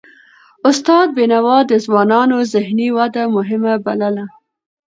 استاد بينوا د ځوانانو ذهني وده مهمه بلله.